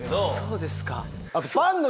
そうですか。